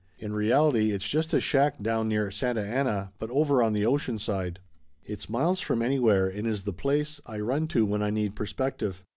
In reality it's just a shack down near Santa Ana, but over on the ocean side. It's miles from anywhere, and is the place I run to when I need perspective.